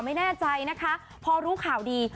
ไม่แน่ใจนะคะพอรู้ข่าวดี